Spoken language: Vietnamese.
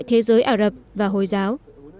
thế giới ả rập và hồi giáo